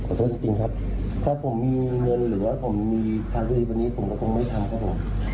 ขอโทษจริงจริงครับเพราะผมมีเงินเหลือผมมีทางด้วยวันนี้ผมก็คงไม่ทางครับผม